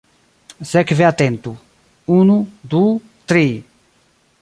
Sekve atentu: unu, du, tri!